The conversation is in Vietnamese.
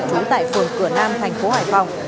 chú tại phường cửa nam thành phố hải phòng